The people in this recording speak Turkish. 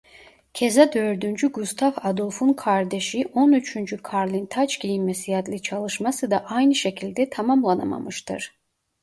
Keza dördüncü Gustav Adolf'un kardeşi on üçüncü Karl'ın taç giymesi adlı çalışması da aynı şekilde tamamlanamamıştır.